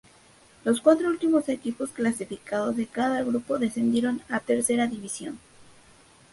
Los cuatro últimos equipos clasificados de cada grupo descendieron a Tercera División.